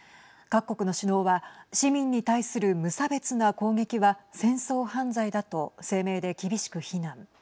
各国の首脳は市民に対する無差別な攻撃は戦争犯罪だと声明で厳しく非難。